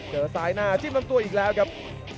เจอซ้ายหน้าจิ้มลำตัวอีกแล้วครับ